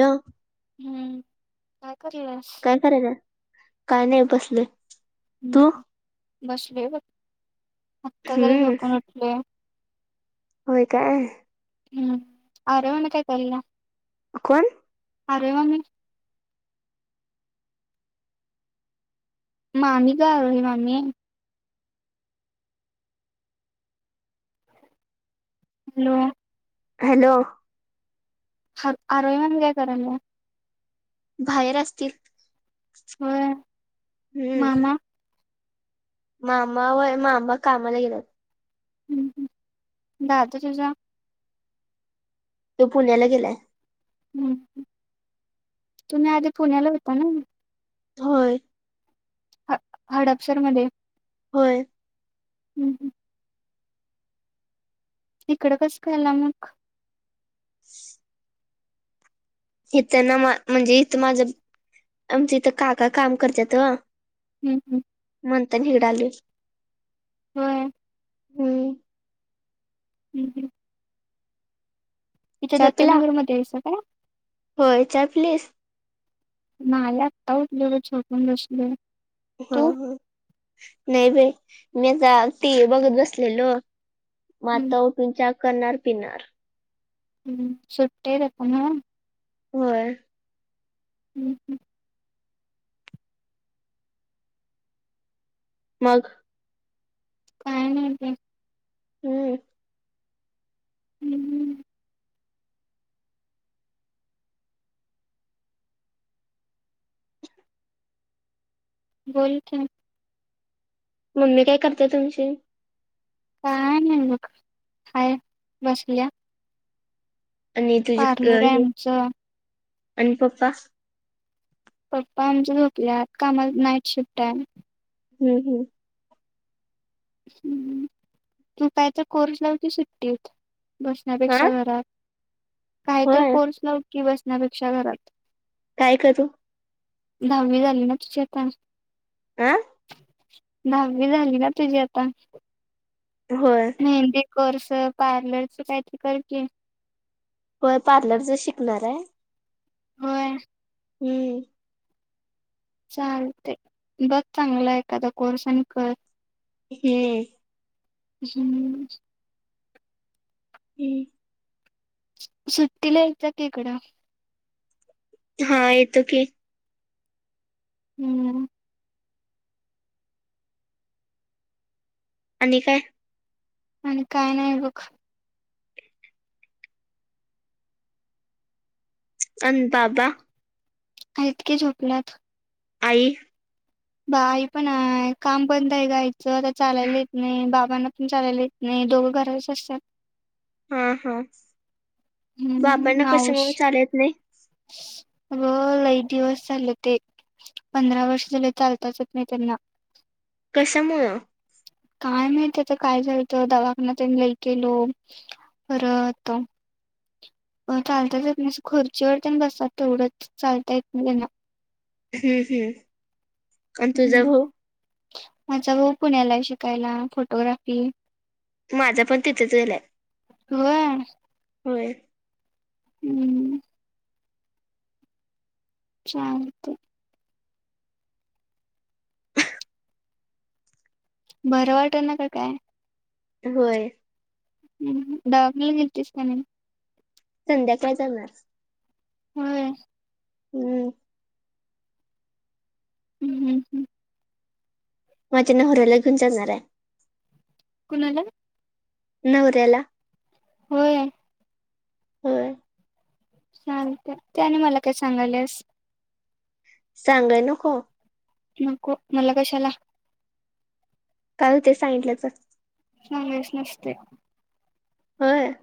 Hello. हम्म काय करल्यास? काय काय नाही बसलोय? ह् बसलोय बघ आत्ता जरा हम्म झोपून उठ हॅलो. व्हय काय? हम्म आरे मामी न काय कॉल केलेला? अ कोण? आरे मामी मामी ग आरे मामी हॅलो. हॅलो. ह, आरोहीण काय करल्या? बाहेर असतील, होय हम्म! मामा मामा व्हय? मामा कामाला गेल्यात. दादू तुझा? तो पुण्याला गेलाय. ह्! तुम्ही आधी पुण्याला होता ना? होय. ह हडपसरमध्ये. होय. [unintelligible] [inaudible] इकड कसं काय आला मग? [unintelligible] [inaudible] इथ न म्हणजे, इथ माझं आमच्यां इथं काका काम करतात ओ हम् हम. म्हणताना हिकडं आलोय. होई. हम्म ह ह. इथ चहा पिला दत्तनगरमध्ये हाईसा काय? होय, चहा पिलीस? नाही, आत्ता उठलोय बग झोपून बसलोय. हा ह, नाही बाई, मी आता टीव्ही बघत बसलेलो. म हम्म, आत्ता उठून चहा करणार पिणार. हम्म [unintelligible] [inaudible] व्हय. हं [unintelligible] [inaudible] मग काय नाही बाई. हम्म. हम्म बोल की. मम्मी काय करत्या तुमची? काय नाही बग, हाय बसल्या. आणि तुझी पार्लर आहे हे, आमचं आणि पप्पा? पप्पा आमच झोपल्यात, कामा [unintelligible] नाईट शिफ्ट आहे. हम् हम्. हम् हम, तू काय तर कोर्स लाव की सुट्टीत, हा बसण्यापेक्षा घरात काही तर होय कोर्स लाव की बसण्यापेक्षा घरात. काय करू? दहावी झाली ना तुझी आता हा दहावी झाली ना तुझी आता? होय. मेहंदे कोर्स, पार्लरच काही तरी कर की. होय पार्लरच शिकणार आहे. होय. हम्म. चालतय बघ चांगला एखादा कोर्स आणि कर. हम्म. हम्म. ह. सुट्टीला येत जा की इकडं. हा येतो की हम्म. आणि काय? आणि काय नाही ब अन बाबा आहेत की झोपल्यात. आई. गाई पण आहे काम बंद आहे गायचं आता चालायला येत नाही बाबांना चालायला येत नाही, दोघं घराच असतात. हा, हा, हम्म बाबांना मावश कशामुळे चालायला येत नाही. अगं लय दिवस झाले ते पंधरा वर्ष झाले, चालताच येत नाही त्यांना कशामुळे. काय माहिती आता काय झालतं, दवाखाना तर लई केलो परत चालताच येत नाही खुर्चीवरती बसतात तेवढंच चालता येत नाही त्यांना हम्म, हम्म. आणि तुझा भाऊ ह् माझा भाऊ पुण्याला शिकायला फोटोग्राफी माझा पण तिथेच गेलाय. होय. होय. हम्म. शांत. बर वाट ना का काय? होय. ह दवाखान्याला गेलतीस का नाही? संध्याकाळ जाणार. होय. हम्म. हम् हम् हं. माझ्या नवऱ्याला घेऊन जाणारे कुणाला? नवऱ्याला होय. होय चालत, त्याने मला काय सांगालेस. सांगाय नको. नको मला कशाला काय होतंय सांगितलं तर सांगायचं नसतं होय.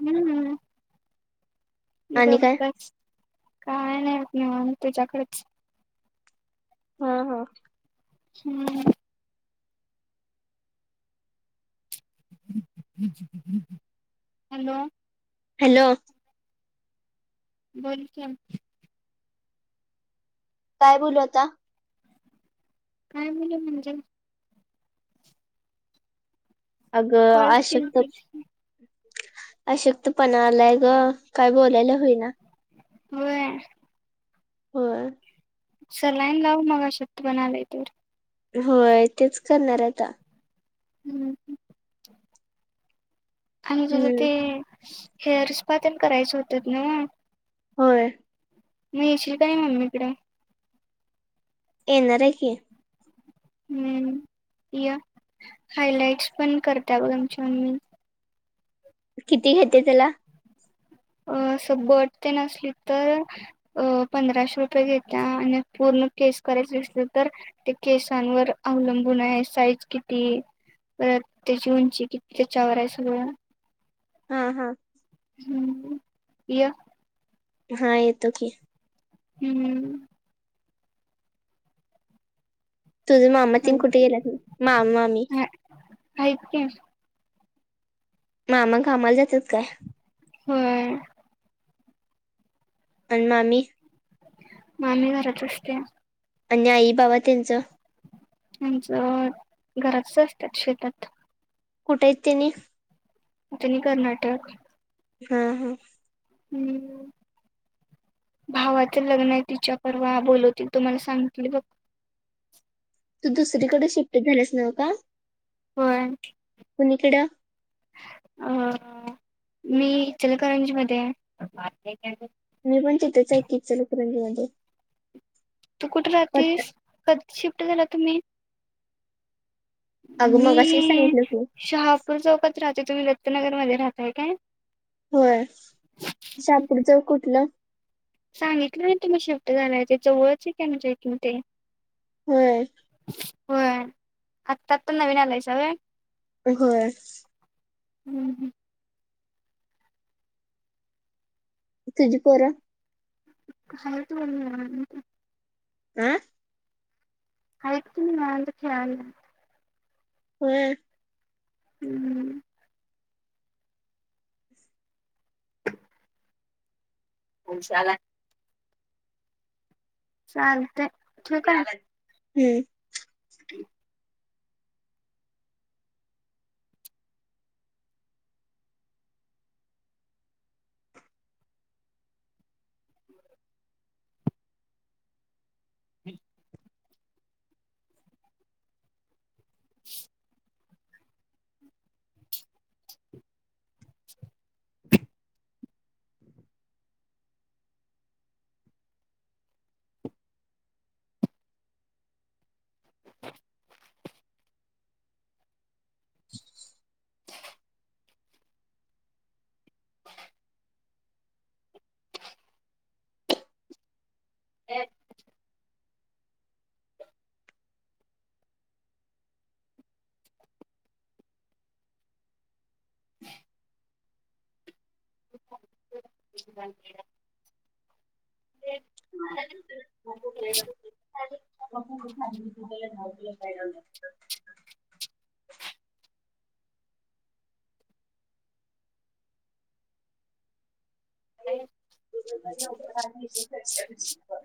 हम्म, हम ग् आणि काय बस, काय नाही म निवांत तुच्याकडेच हा, हा हम्म हॅलो.. हॅलो, बोल के [unintelligible] काय बोलू आता? काय बोलू म्हणजे? अगं, कॉल आश्यकत केलतीस अशक्त पणालाय ग, काय बोलायला होईना होय. हो सलाईन लाऊन मला अशक्तपणा आलाय तर होय तेच करणार आता हम्. आणि त हम्म ते हेअर स्पा तिनं करायच होत ना. होय मी येशील का नाही मम्मीकडे. येणार ये की. हम्म य हायलाइट्स पण करता बघ आमचिब मम्मी. किती घेते त्याला अ स बट टेन असली तर अ पंधराशे रुपये घेत्या आणि पूर्ण केस करायच दि असल तर ते केसांवर अवलंबून आहे साईज किती पर त्याची उंची किती त्याच्यावर आहे सगळं हा हा हम्म या हा येतो की. हम्म तुझ मामा तिन कुठे गेला मामा मामी हायत की. मामा कामाला जात्यात काय? होय आणि मामी मामी घरात असती या. आणि आई बाबा त्यांचं आमच घरातच असतात शेतात कुठयत त्यांनी. त्यांनी कर्नाटक हा हा हम्म भावाच लग्न आहे तिच्या परवा बोलवतील तुम्हाला सांगित बघ तू दुसरीकडे शिफ्ट झालेस नव का. हो कुणीकडं अ मी इचलकरंजी मध्ये ये मी पण तिथेच ऐकी इचलकरजी मध्ये तू कुठे राहतेस कधी शिफ्ट झाला तुम्ही? अगं मगाशी मी सांगितलं की शहापूर चौकात राहते तुम्ही दत्तनगर मध्ये राहताय काय? होय शहापूरचा कुठलं? सांगितलं ना तुम्ही शिफ्ट झालाय ते जवळच आहे का म्हणजे इकून ते होय. हो आत्ताात पण नवीन आलायसा होय. हो हम् हम तुजीपोर [inaudible] आं आहेत की निवांत खेळायला. हम् हम्म [unintelligible] चालते हम्म हम [inaudible] एक ब ला [unintelligible]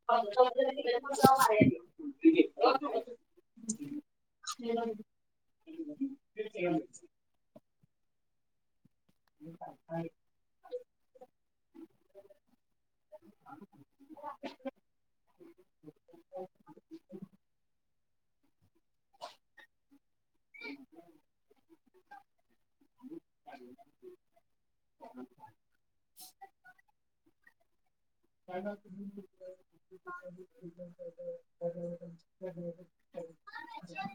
क् दि मार ह त [inaudible] [inaudible] [inaudible] ह का त [inaudible]